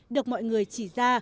được mọi người chỉ ra